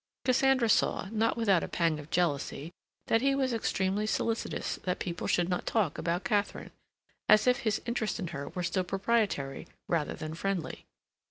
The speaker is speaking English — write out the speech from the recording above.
Cassandra saw, not without a pang of jealousy, that he was extremely solicitous that people should not talk about Katharine, as if his interest in her were still proprietary rather than friendly.